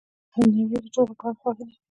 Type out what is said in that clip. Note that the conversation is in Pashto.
دا د نړۍ تر ټولو ګران خواړه دي.